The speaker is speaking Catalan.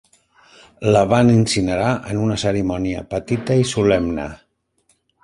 La van incinerar en una cerimònia petita i solemne.